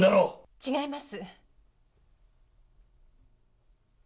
違います。